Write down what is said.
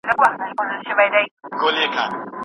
ښځه په تشه کوټه کې د یوازیتوب احساس کوي او بڼیږي.